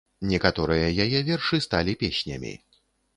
Некаторыя яе вершы сталі песнямі.